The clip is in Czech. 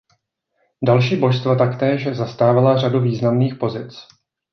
Další božstva taktéž zastávala řadu významných pozic.